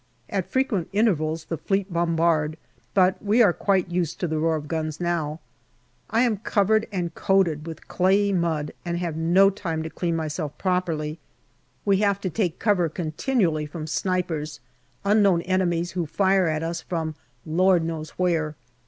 At frequent intervals the Fleet bombard, but we are quite used to the roar of the guns now. I am covered and coated with clayey mud and have no time to clean myself properly 44 GALLIPOLI DIARY We have to take cover continually from snipers unknown enemies who fire at us from Lord knows where.